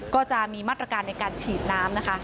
ก็จะมีมาตรการในการฉีดน้ำนะคะ